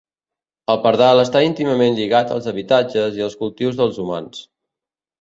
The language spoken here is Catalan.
El pardal està íntimament lligat als habitatges i els cultius dels humans.